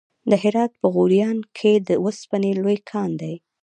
د هرات په غوریان کې د وسپنې لوی کان دی.